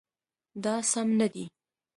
دا سم نه دی